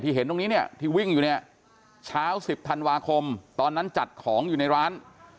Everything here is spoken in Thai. เห็นตรงนี้เนี่ยที่วิ่งอยู่เนี่ยเช้า๑๐ธันวาคมตอนนั้นจัดของอยู่ในร้าน